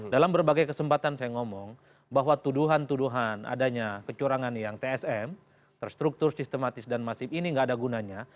dalam berbagai kesempatan saya ngomong bahwa tuduhan tuduhan adanya kecurangan yang tsm terstruktur sistematis dan masif ini nggak ada gunanya